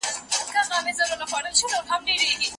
مړ يمه هغه وخت به تاته سجده وکړمه